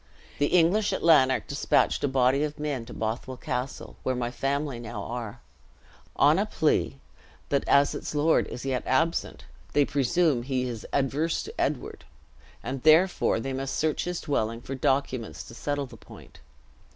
The English at Lanark dispatched a body of men to Bothwell Castle (where my family now are), on a plea, that as its lord is yet absent, they presume he is adverse to Edward, and therefore they must search his dwelling for documents to settle the point.